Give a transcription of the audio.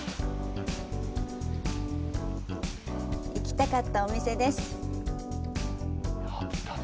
行きたかったお店です。